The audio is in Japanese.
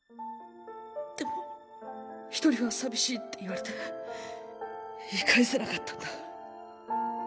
でも「一人は寂しい」って言われて言い返せなかったんだ。